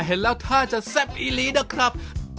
เห็นแล้วท่าจะแซ่บอีลีนะครับ